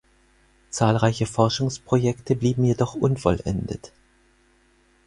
Zahlreiche Forschungsprojekte blieben jedoch unvollendet.